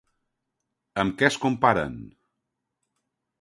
Amb què es comparen?